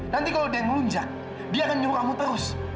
nanti kalau dia yang melunjak dia akan nyuruh kamu terus